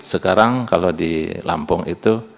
sekarang kalau di lampung itu